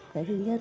cái thứ nhất